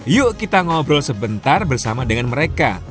yuk kita ngobrol sebentar bersama dengan mereka